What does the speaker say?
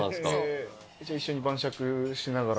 じゃあ一緒に晩酌しながら？